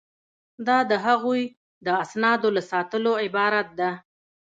دا د هغوی د اسنادو له ساتلو عبارت ده.